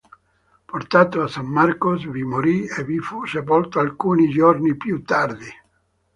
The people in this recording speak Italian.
Portato a San Marcos, vi morì e vi fu sepolto alcuni giorni più tardi.